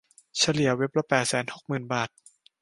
เฉลี่ยเว็บละแปดแสนหกหมื่นบาท